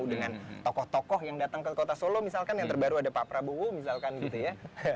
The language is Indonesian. dengan tokoh tokoh yang datang ke kota solo misalkan yang terbaru ada pak prabowo misalkan gitu ya